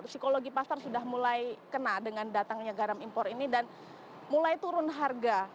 psikologi pasar sudah mulai kena dengan datangnya garam impor ini dan mulai turun harga